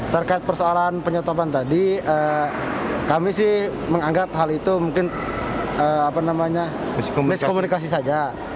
terkait persoalan penyetopan tadi kami sih menganggap hal itu mungkin miskomunikasi saja